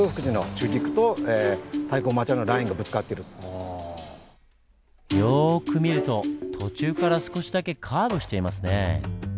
ああよく見ると途中から少しだけカーブしていますね。